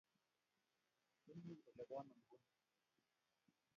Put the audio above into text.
Imi ole po ano nguni?